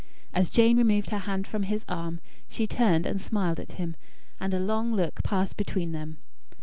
As Jane removed her hand from his arm, she turned and smiled at him; and a long look passed between them.